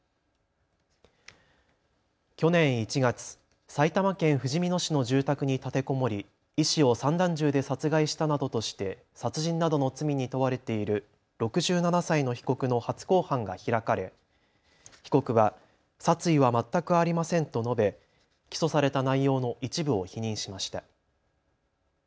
去年１月、埼玉県ふじみ野市の住宅に立てこもり医師を散弾銃で殺害したなどとして殺人などの罪に問われている６７歳の被告の初公判が開かれ被告は殺意は全くありませんと述べ、起訴された内容の一部を否認しました。